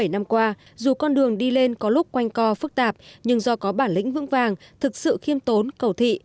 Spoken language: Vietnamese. bảy mươi năm qua dù con đường đi lên có lúc quanh co phức tạp nhưng do có bản lĩnh vững vàng thực sự khiêm tốn cầu thị